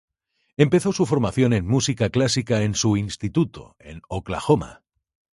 Empezó su formación en música clásica en su instituto, en Oklahoma.